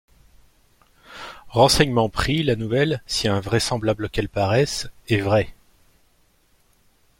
«Renseignements pris, la nouvelle, si invraisemblable qu'elle paraisse, est vraie.